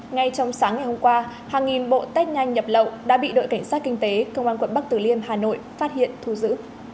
ngay trong sáng ngày hôm qua hàng nghìn bộ test nhanh nhập lậu đã bị đội cảnh sát kinh tế công an quận bắc tử liêm hà nội phát hiện thu giữ